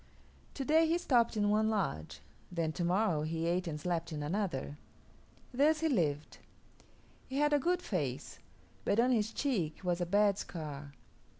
To day he stopped in one lodge; then to morrow he ate and slept in another. Thus he lived. He had a good face, but on his cheek was a bad scar.